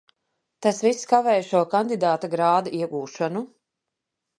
Tas viss kavēja šo kandidāta grādu iegūšanu.